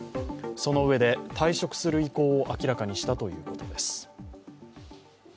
そのうえで、退職する意向を明らかにしたということです。